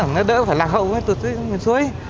nó đỡ phải là khẩu với miền xuôi